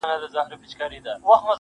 هغه مي سايلينټ سوي زړه ته.